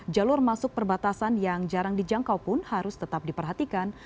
jalur masuk perbatasan yang jarang dijangkau pun harus tetap diperhatikan